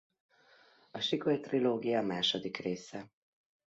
A Sikoly-trilógia második része.